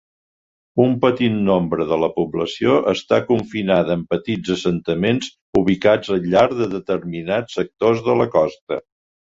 Un petit nombre de la població està confinada en petits assentaments ubicats al llarg de determinats sectors de la costa.